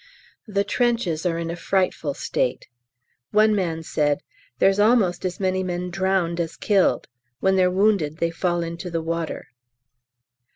The trenches are in a frightful state. One man said, "There's almost as many men drowned as killed: when they're wounded they fall into the water."